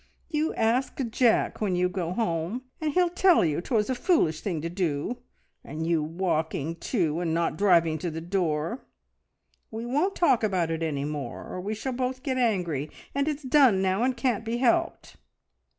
You ask Jack when you go home, and he'll tell you 'twas a foolish thing to do, and you walking, too, and not driving to the door. We won't talk about it any more, or we shall both get angry, and it's done now and can't be helped.